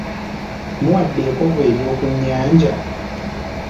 Muwadde ekkovu ery’oku nnyanja